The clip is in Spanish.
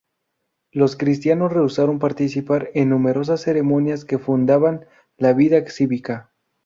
Los cristianos rehusaron participar en numerosas ceremonias que fundaban la vida cívica.